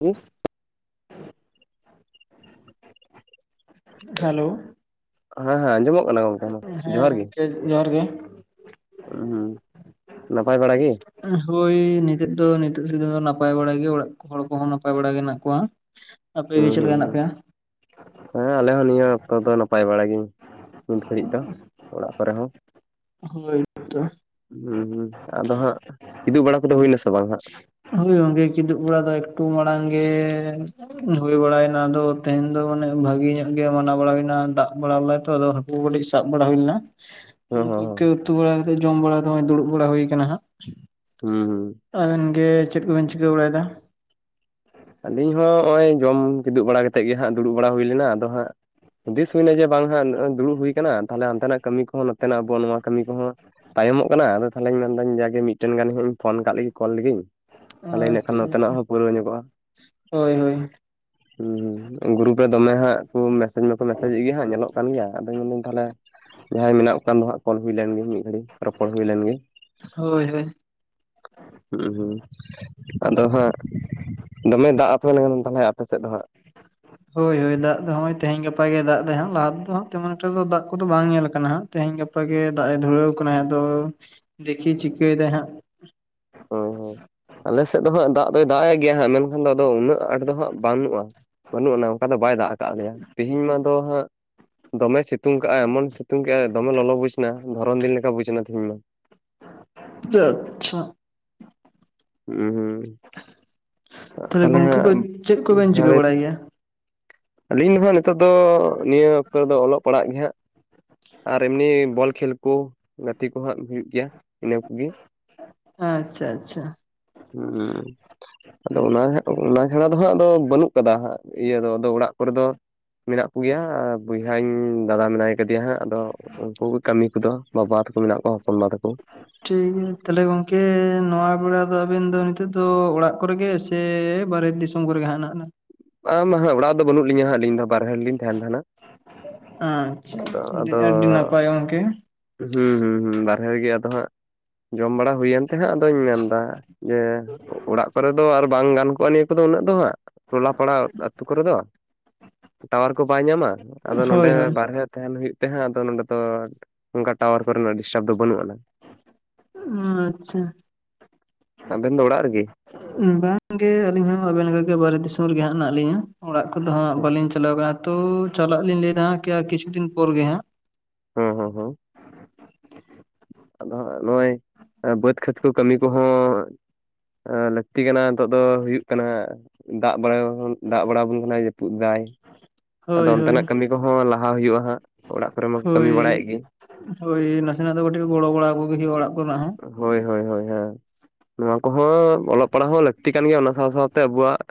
ᱦᱮᱸ ᱦᱮᱞᱳᱣ ᱦᱮᱸ ᱦᱮ ᱟᱡᱸᱚᱢᱚᱜ ᱦᱮᱸ ᱜᱚᱢᱠᱮ ᱡᱚᱦᱟᱨ ᱜᱮ ᱦᱮ ᱦᱩᱸ ᱱᱟᱯᱟᱭ ᱵᱟᱲᱟ ᱜᱮ ᱦᱳᱭ ᱱᱤᱛᱚᱜ ᱫᱚ ᱱᱤᱛᱚᱜ ᱫᱷᱟᱨᱤᱡ ᱱᱟᱯᱟᱭ ᱵᱟᱲᱟ ᱜᱮ ᱚᱲᱟᱜ ᱦᱚᱲ ᱠᱚᱦᱚᱸ ᱱᱟᱯᱟᱭ ᱵᱟᱲᱟ ᱜᱮ ᱦᱮᱱᱟᱜ ᱠᱚᱣᱟ ᱟᱯᱮᱜ ᱜᱮ ᱦᱩᱸ ᱪᱮᱫ ᱦᱩᱸ ᱞᱮᱠᱟ ᱦᱩᱸ ᱦᱮᱱᱟᱜ ᱯᱮᱭᱟ ᱦᱮᱸ ᱟᱞᱮ ᱦᱚᱸ ᱱᱤᱭᱟᱹ ᱚᱠᱛᱚ ᱫᱚ ᱱᱟᱯᱟᱭ ᱵᱟᱲᱟ ᱜᱮ ᱱᱤᱛ ᱜᱷᱟᱹᱲᱤᱡ ᱫᱚ ᱚᱲᱟᱜ ᱠᱚᱨᱮ ᱦᱚᱸ ᱦᱳᱭ ᱛᱚ ᱦᱩᱸ ᱦᱩ ᱟᱫᱚ ᱦᱟᱸᱜ ᱠᱤᱫᱩᱜ ᱵᱟᱲᱟ ᱠᱚᱫᱚ ᱦᱩᱭᱱᱟᱥᱮ ᱵᱟᱝ ᱦᱟᱸᱜ ᱦᱳᱭ ᱜᱚᱝᱠᱮ ᱠᱤᱫᱩ ᱵᱚᱲᱟ ᱫᱚ ᱮᱠᱴᱩ ᱢᱟᱲᱟᱝ ᱜᱮ ᱦᱩᱭ ᱵᱟᱲᱟᱭᱮᱱᱟ ᱟᱫᱚ ᱛᱮᱦᱮᱧ ᱫᱚ ᱢᱟᱱᱮ ᱵᱷᱟᱜᱤ ᱧᱚᱜ ᱜᱮ ᱢᱟᱱᱟᱣ ᱵᱟᱲᱟᱭᱮᱱᱟ ᱫᱟᱜ ᱵᱟᱲᱟ ᱞᱮᱫᱟᱭ ᱛᱚ ᱟᱫᱚ ᱠᱩ ᱠᱟᱹᱴᱤᱡ ᱥᱟᱵ ᱵᱟᱲᱟ ᱦᱩᱭ ᱞᱮᱱᱟ ᱦᱚᱸ ᱦᱚᱸ ᱩᱱᱠᱩᱜᱮ ᱩᱛᱩ ᱵᱟᱲᱟ ᱠᱟᱛᱮᱜ ᱡᱚᱢ ᱵᱟᱲᱟ ᱦᱚᱜ ᱫᱩᱲᱩᱵ ᱵᱟᱲᱟ ᱦᱩᱭ ᱠᱟᱱᱟ ᱦᱟᱸᱜ᱾ ᱦᱩᱸ ᱦᱩᱸ ᱟᱵᱤᱱᱜᱮ ᱪᱮᱫ ᱠᱚᱵᱮᱱ ᱪᱤᱠᱟᱹ ᱵᱟᱲᱟᱭᱫᱟ ᱟᱞᱤᱧ ᱦᱚᱸ ᱱᱚᱜ ᱚᱭ ᱡᱚᱢ ᱠᱤᱫᱩᱵ ᱵᱟᱲᱟ ᱠᱟᱛᱮᱫᱜᱮ ᱦᱟᱸᱜ ᱫᱩᱲᱩᱵ ᱵᱟᱲᱟ ᱦᱩᱭ ᱞᱮᱱᱟ᱾ ᱟᱫᱚ ᱦᱟᱸᱜ ᱦᱩᱫᱤᱥ ᱦᱩᱭᱱᱟ ᱡᱮ ᱵᱟᱝ ᱦᱟᱜ ᱫᱩᱲᱩᱵ ᱦᱩᱭ ᱟᱠᱟᱱᱟᱱᱟ ᱛᱟᱦᱚᱞ ᱦᱟᱱᱛᱮᱱᱟᱜ ᱠᱟᱹᱢᱤ ᱠᱚᱦᱚᱸ ᱱᱚᱛᱮᱱᱟᱜ ᱟᱵᱚ ᱱᱚᱣᱟ ᱠᱟᱹᱢᱤ ᱠᱚᱦᱚ ᱠᱚᱦᱚᱸᱹᱹᱹ ᱛᱟᱭᱚᱢᱚᱜ ᱠᱟᱱᱟ ᱟᱫᱚ ᱛᱟᱦᱚᱞᱮᱧ ᱢᱮᱱᱫᱟᱹᱧ ᱡᱟᱜᱮ ᱢᱤᱫᱴᱮᱱ ᱜᱟᱱ ᱦᱟᱸᱜ ᱤᱧ ᱯᱷᱱ ᱠᱟᱜ ᱞᱮᱜ ᱠᱚᱞ ᱞᱮᱜᱤᱧ ᱛᱟᱦᱚᱞᱮ ᱤᱱᱟᱹ ᱠᱷᱟᱱ ᱟᱪᱪᱷᱟ ᱱᱚᱛᱮᱱᱟᱜ ᱟᱪᱪᱷᱟ ᱦᱚᱸ ᱯᱩᱨᱟᱹ ᱧᱚᱜᱚᱜᱼᱟ ᱦᱳᱭ ᱦᱳᱭ ᱦᱮᱸ ᱸ ᱜᱨᱩᱨᱩᱯ ᱨᱮ ᱫᱚᱢᱮ ᱦᱟᱸᱜ ᱠᱚ ᱢᱮᱥᱮᱡ ᱢᱟᱠᱚ ᱢᱮᱥᱮᱡᱮᱫ ᱜᱮᱭᱟ ᱧᱮᱞᱚᱜ ᱠᱟᱱ ᱜᱮᱭᱟ ᱟᱫᱚ ᱢᱮᱱᱫᱟ. ᱧ ᱛᱟᱦᱞᱮ ᱡᱟᱦᱟᱸᱭ ᱢᱮᱱᱟᱜ ᱠᱚ ᱠᱷᱟᱱ ᱫᱚ ᱠᱚᱞ ᱦᱩᱭ ᱞᱮᱱᱜᱮ ᱢᱤᱛ ᱜᱷᱟ. ᱲᱤᱡ ᱨᱚᱯᱚᱲ ᱦᱩᱭ ᱞᱮᱱᱜᱮ ᱦᱳᱭ ᱦᱳᱭ ᱦᱩᱸ ᱦᱸ ᱟᱫᱚ ᱦᱟᱸᱜ ᱫᱚᱢᱮ ᱫᱟᱜ [unintelligible] ᱛᱟᱦᱚᱞᱮ ᱟᱯᱮ ᱥᱮᱫ ᱫᱚ ᱦᱟᱸᱜ ᱦᱳᱭ ᱦᱳᱭ ᱫᱟᱜ ᱫᱚ ᱦᱚᱸᱜ ᱚᱭ ᱛᱮᱦᱮᱧ ᱜᱟᱯᱟ ᱜᱮ ᱫᱟᱜ ᱫᱟᱭ, ᱞᱟᱦᱟᱛᱮᱫ ᱫᱚ ᱦᱟᱜ ᱛᱮᱢᱚᱱ ᱮᱠᱴᱟ ᱫᱚ ᱫᱟᱜ ᱠᱚᱫᱚ ᱵᱟᱝ ᱧᱮᱞ ᱟᱠᱟᱱᱟ ᱦᱟᱸᱜ ᱛᱮᱦᱮᱧ ᱜᱟᱯᱟ ᱜᱮ ᱫᱟᱜ ᱮ ᱫᱷᱩᱨᱟᱹᱣ ᱟᱠᱟᱱᱟ ᱟᱫᱚ, ᱫᱮᱠᱷᱤᱭ ᱪᱤᱠᱟᱹᱭ ᱫᱟᱭ ᱦᱟᱜ ᱦᱳᱭ ᱦᱳᱭ ᱟᱞᱮ ᱥᱮᱫ ᱫᱚ ᱦᱟᱜ ᱫᱟᱜ ᱫᱚᱭ ᱫᱟᱜ ᱮ ᱜᱮᱭᱟ ᱦᱟᱸᱜ ᱢᱮᱱᱠᱷᱟᱱ ᱫᱚ ᱟᱫᱚ ᱩᱱᱟᱹᱜ ᱟᱸᱴ ᱫᱚ ᱦᱟᱸᱜ ᱵᱟᱹᱱᱩᱜᱼᱟ ᱵᱟᱹᱱᱩᱜ ᱟᱱᱟ ᱚᱱᱠᱟ ᱫᱚ ᱵᱟᱭ ᱫᱟᱜ ᱟᱠᱟᱫ ᱞᱮᱭᱟ ᱛᱮᱦᱤᱧ ᱢᱟ ᱫᱚ ᱦᱟᱸᱜ ᱫᱚᱢᱮ ᱥᱤᱛᱩᱝ ᱠᱟᱜᱼᱟ ᱮᱢᱚᱱ ᱥᱤᱛᱩᱝ ᱠᱟᱜᱼᱟ ᱫᱚᱢᱮ ᱞᱚᱞᱚ ᱵᱩᱡᱽ ᱮᱱᱟ ᱫᱷᱚᱨᱚᱱ ᱫᱤᱱ ᱞᱮᱠᱟ ᱵᱩᱡᱽ ᱮᱱᱟ ᱛᱤᱦᱤᱧ ᱢᱟ [unintelligible] ᱦᱩ ᱦᱩ ᱛᱟᱦᱚᱞᱮ ᱛᱟᱦᱞᱮ ᱜᱚᱝᱠᱮ ᱠᱚ ᱦᱟᱜ ᱪᱮᱫ ᱠᱚᱵᱮᱱ ᱪᱤᱠᱟᱹ ᱵᱟᱲᱟᱭ [unintelligible] ᱜᱮᱭᱟ? ᱟᱹᱞᱤᱧ ᱦᱚ ᱱᱤᱛᱚᱜ ᱫᱚ ᱱᱤᱭᱟᱹ ᱚᱠᱛᱚ ᱨᱮᱫᱚ ᱚᱞᱚᱜ ᱯᱟᱲᱦᱟᱜ ᱜᱮ ᱦᱟᱸᱜ ᱟᱨ ᱮᱢᱱᱤ ᱵᱚᱞ ᱠᱷᱮᱹᱞ ᱠᱚ ᱜᱟᱛᱮ ᱠᱚ ᱦᱟᱜ ᱦᱩᱭᱩᱜ ᱜᱮᱭᱟ ᱤᱱᱟᱹ ᱠᱚᱜᱮ [unintelligible] ᱟᱪᱪᱷᱟ ᱟᱪᱪᱷᱟ ᱦᱮᱸ [unintelligible] ᱟᱫᱚ ᱚᱱᱟ ᱦᱟᱜᱚᱱᱟ ᱪᱷᱟᱲᱟ ᱫᱚ ᱦᱟᱸᱜ ᱟᱫᱚ ᱵᱟᱹᱱᱩᱜ ᱠᱟᱫᱟ ᱦᱟᱜ ᱤᱭᱟᱹ ᱫᱚ ᱟᱫᱚ ᱚᱲᱟᱜ ᱠᱚᱨᱮ ᱫᱚ ᱢᱮᱱᱟᱜ ᱠᱚᱜᱮᱭᱟ ᱵᱚᱭᱦᱟᱧ ᱫᱟᱫᱟ ᱢᱮᱱᱟᱭ ᱠᱮᱭᱟ ᱦᱟᱸᱜ, ᱟᱫᱚ ᱩᱱᱠᱩ ᱠᱟᱹᱢᱤ ᱠᱚᱫᱚ, ᱵᱟᱵᱟ ᱛᱟᱠᱚ ᱢᱮᱱᱟᱜ ᱠᱚᱣᱟ, ᱦᱚᱯᱚᱱ ᱵᱟ ᱛᱟᱠᱚ᱾ ᱴᱷᱤᱠ [unintelligible] ᱛᱟᱦᱞᱮ ᱜᱚᱝᱠᱮ, ᱱᱚᱣᱟ ᱵᱮᱲᱟ ᱫᱚ, ᱟᱵᱤᱱ ᱫᱚ ᱱᱤᱛᱚᱜ ᱫᱚ ᱚᱲᱟᱜ ᱠᱚᱨᱮ ᱜᱮ ᱥᱮᱹᱹ ᱥᱮ ᱵᱟᱨᱦᱮ ᱫᱤᱥᱚᱢ ᱠᱚᱨᱮᱜᱮ ᱦᱟ [unintelligible] ᱱᱟ ᱟᱢᱟ ᱦᱟᱸᱜ ᱚᱲᱟᱜ ᱫᱚ ᱵᱟᱹᱱᱩᱜ ᱞᱤᱧᱟ ᱦᱟᱸᱜ ᱟᱹᱞᱤᱧ ᱫᱚ ᱵᱟᱦᱮᱨᱮᱤᱧ ᱛᱟᱦᱮᱱ ᱠᱟᱱᱟ᱾ ᱟᱪᱷᱟ [unintelligible] ᱦᱩᱸ ᱦᱩᱸ ᱦᱩᱸ ᱵᱟᱨᱦᱮ ᱨᱮ ᱜᱮ ᱟᱫᱚ ᱦᱟᱸᱜ᱾ ᱡᱚᱢ ᱵᱟᱲᱟ ᱦᱩᱭᱮᱱ ᱛᱮ ᱦᱟᱸᱜ ᱟᱫᱚᱧ ᱢᱮᱱᱫᱟ ᱡᱮ ᱚᱲᱟᱜ ᱠᱚᱨᱮ ᱫᱚ ᱟᱨᱹᱹ ᱵᱟᱝ ᱜᱟᱱ ᱠᱚᱜᱼᱟ ᱱᱤᱭᱟᱹ ᱠᱚᱫᱚ ᱩᱱᱟᱹᱜ ᱫᱚ ᱦᱟᱸᱜ ᱴᱚᱞᱟ ᱯᱟᱲᱟ ᱟᱹᱛᱩ ᱠᱚᱨᱮ ᱫᱚ ᱴᱟᱣᱟᱨ ᱠᱚ ᱵᱟᱭ ᱧᱟᱢᱟ ᱟᱫᱚ ᱱᱚᱰᱮ ᱦᱳᱭ ᱦᱳᱭ ᱵᱟᱨᱦᱮᱹᱹ ᱛᱟᱦᱮᱱ ᱦᱩᱭᱩᱜ ᱛᱮᱦᱟᱸᱜ ᱟᱫᱚ ᱱᱚᱰᱮ ᱫᱚ, ᱚᱱᱠᱟ ᱴᱟᱣᱟᱨ ᱠᱚᱨᱮᱱᱟᱜ ᱰᱤᱥᱴᱟᱵᱽ ᱫᱚ ᱵᱟᱹᱱᱩᱜ ᱟᱱᱟ᱾ ᱚ ᱟᱪᱪᱷᱟ ᱟᱵᱮᱱ ᱫᱚ ᱚᱲᱟᱜ ᱨᱮᱜᱤ ᱵᱟᱝᱜᱮ ᱟᱹᱞᱤᱧ ᱦᱚᱸ ᱟᱵᱮᱱ ᱞᱮᱠᱟᱜᱮ ᱵᱟᱦᱨᱮ ᱫᱤᱥᱚᱢ ᱨᱮᱜᱮ ᱦᱟᱸᱜ ᱦᱮᱱᱟᱜ ᱞᱤᱧᱟ, ᱚᱲᱟᱜ ᱠᱚᱫᱚ ᱦᱟᱸᱜ ᱵᱟᱟᱹᱞᱤᱧ ᱪᱟᱞᱟᱣ ᱟᱠᱟᱱᱟ᱾ ᱛᱚ ᱪᱟᱞᱟᱜ ᱞᱤᱧ ᱞᱟᱹᱭᱮᱫᱟ ᱟᱨ ᱠᱤᱪᱷᱩ ᱫᱤᱱ ᱯᱚᱨ ᱜᱮ ᱦᱟᱸᱜ᱾ ᱦᱚᱸ ᱦᱚᱸ ᱦᱚᱸ ᱟᱫᱚ ᱱᱚᱜᱼᱚᱭ ᱵᱟᱹᱫᱽ ᱠᱷᱮᱛ ᱠᱚ ᱠᱟᱹᱢᱤ ᱠᱚᱦᱚᱸ ᱞᱟᱹᱠᱛᱤ ᱠᱟᱱᱟ ᱱᱤᱛᱚᱜ ᱫᱚ ᱦᱩᱭᱩᱜ ᱠᱟᱱᱟ ᱫᱟᱜ ᱵᱟᱲᱤ ᱫᱟᱜ ᱵᱟᱲᱟ ᱟᱵᱚᱱ ᱠᱟᱱᱟ ᱡᱟᱹᱯᱩᱫ ᱫᱟᱭ ᱟᱫᱚ ᱦᱳᱭ ᱦᱳᱭ ᱚᱱᱛᱮᱱᱟᱜ ᱠᱟᱹᱢᱤ ᱠᱚᱦᱚᱸ ᱞᱟᱦᱟ ᱦᱩᱭᱩᱜᱼᱟ ᱦᱟᱸᱜ ᱚᱲᱟᱜ ᱠᱚᱨᱮ ᱢᱟᱠᱚ ᱠᱟᱹᱢᱤ ᱵᱟᱲᱟᱭᱮᱫ ᱦᱳᱭ ᱜᱮ [inaudible] ᱦᱳᱭ ᱱᱟᱥᱮᱱᱟᱜ ᱫᱚ ᱠᱟᱹᱴᱤᱡ ᱜᱚᱲᱚ ᱵᱟᱲᱟ ᱠᱚᱜᱮ ᱦᱩᱭᱩᱜᱼᱟ ᱚᱲᱟᱜ ᱠᱚᱨᱮᱱᱟᱜ ᱦᱚᱸ᱾ ᱦᱳᱭ ᱦᱳᱭ ᱦᱳᱭ ᱱᱚᱣᱟ ᱠᱚᱦᱚᱸ ᱚᱞᱚᱜ ᱯᱟᱲᱦᱟᱜ ᱦᱚᱸ ᱞᱟᱹᱠᱛᱤ ᱠᱟᱱ ᱜᱮᱭᱟ ᱚᱱᱟ ᱥᱟᱶ ᱥᱟᱶᱛᱮ ᱟᱵᱚᱣᱟᱜ